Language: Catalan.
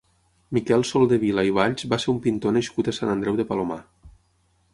Miquel Soldevila i Valls va ser un pintor nascut a Sant Andreu de Palomar.